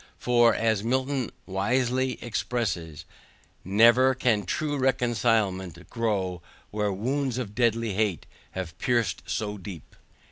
For, as Milton wisely expresses, "never can true reconcilement grow where wounds of deadly hate have pierced so deep."